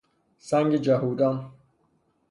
سنگ جهودان